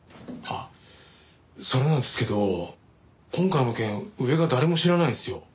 あっそれなんですけど今回の件上が誰も知らないんですよ。